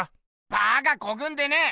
バカこくんでねぇ！